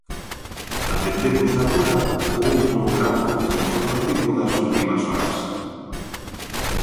Atendemos agora o outro gran foco informativo das últimas horas.